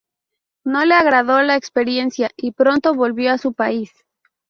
No le agradó la experiencia, y pronto volvió a su país.